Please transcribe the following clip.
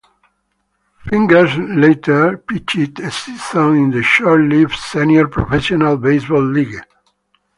Fingers later pitched a season in the short-lived Senior Professional Baseball League.